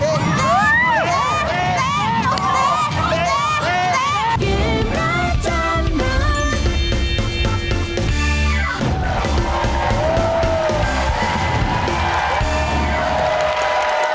ช่วยทุกคนเลยว้าวสำเร็จสุดหน้า